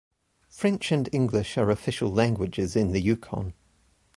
French and English are official languages in the Yukon.